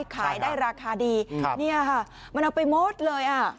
ขายได้ราคาดีเนี่ยค่ะมันเอาไปหมดเลยอ่ะ